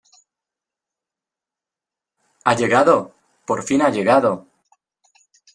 ¡ Ha llegado! ¡ por fin ha llegado !